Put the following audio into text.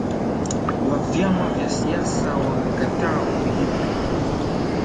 wa vyama vya siasa wamekataa ombi hilo